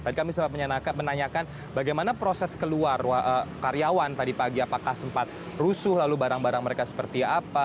tadi kami sempat menanyakan bagaimana proses keluar karyawan tadi pagi apakah sempat rusuh lalu barang barang mereka seperti apa